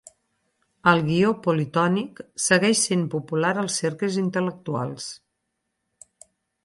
El guió politònic segueix sent popular als cercles intel·lectuals.